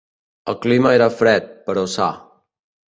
El clima era fred, però sa.